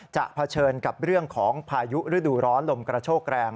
เผชิญกับเรื่องของพายุฤดูร้อนลมกระโชกแรง